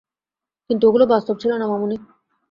কিন্তু ওগুলো বাস্তব ছিল না, মামুনি।